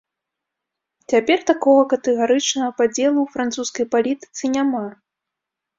Цяпер такога катэгарычнага падзелу ў французскай палітыцы няма.